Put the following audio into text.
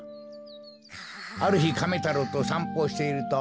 あるひカメ太郎とさんぽをしていると。